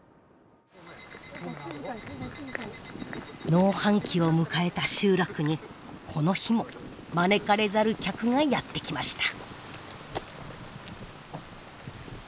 農繁期を迎えた集落にこの日も招かれざる客がやって来ました。